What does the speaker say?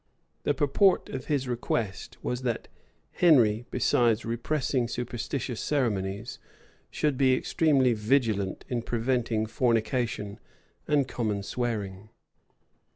The purport of his request was, that Henry, besides repressing superstitious ceremonies, should be extremely vigilant in preventing fornication and common swearing.